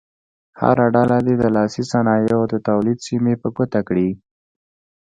هره ډله دې د لاسي صنایعو د تولید سیمې په ګوته کړي.